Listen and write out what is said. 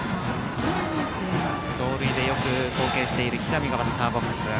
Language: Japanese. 走塁でよく貢献している平見がバッターボックス。